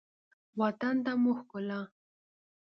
وطن ته مو ښکلا